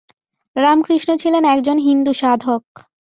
রামকৃষ্ণ ছিলেন একজন হিন্দু সাধক।